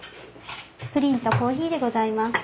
プリンとコーヒーでございます。